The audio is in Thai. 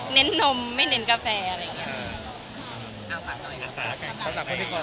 เน้นนมไม่เน้นกาแฟอะไรอย่างเงี้ย